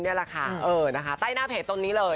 เนี่ยล่ะค่ะใต้หน้าเพจตรงนี้เลย